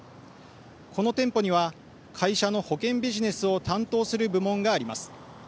この店舗には会社の保険ビジネスを担当する部門があります。